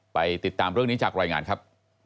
ไปติดตามเรื่องนี้จากรายงานครับ